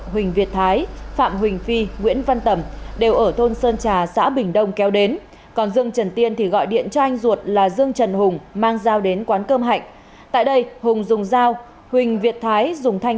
hãy đăng ký kênh để nhận thông tin nhất